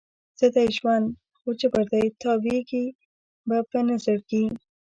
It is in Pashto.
څه دی ژوند؟ خو جبر دی، تاویږې به په نه زړګي